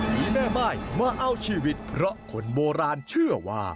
มีแม่ม่ายมาเอาชีวิตเพราะคนโบราณเชื่อว่า